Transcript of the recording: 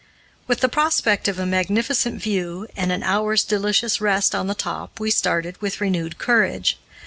With the prospect of a magnificent view and an hour's delicious rest on the top, we started with renewed courage.